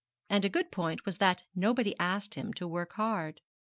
And a grand point was that nobody asked him to work hard.